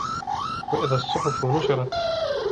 وإذا الصحف نشرت